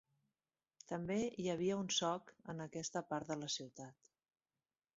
També hi havia un soc en aquesta part de la ciutat.